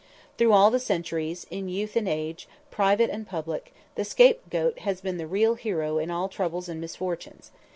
Through all the centuries, in youth and age, private and public, the scapegoat has been the real hero in all troubles and misfortunes.